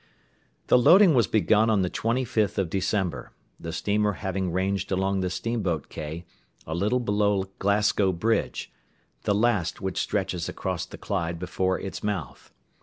The loading was begun on the 25th of December, the steamer having ranged along the steamboat quay a little below Glasgow Bridge, the last which stretches across the Clyde before its mouth.